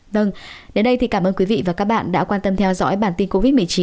vâng đến đây thì cảm ơn quý vị và các bạn đã quan tâm theo dõi bản tin covid một mươi chín